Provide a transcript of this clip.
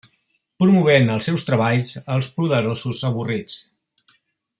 Promovent els seus treballs als poderosos avorrits.